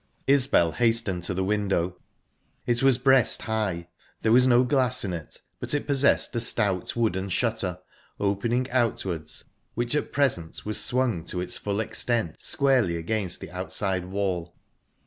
Isbel hastened to the window. It was breast high. There was no glass in it, but it possessed a stout wooden shutter, opening outwards, which at present was swung to its full extent squarely against the outside wall.